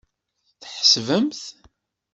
Tḥesbemt.